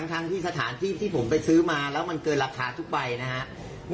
ทั้งที่สถานที่ที่ผมไปซื้อมาแล้วมันเกินราคาทุกใบนะครับ